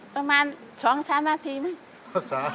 ประมาณ๒๓นาทีมั้ง